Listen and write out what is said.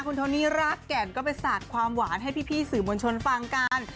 คุณโทนี่รากแก่นก็ไปสาดความหวานให้พี่สื่อมวลชนฟังกัน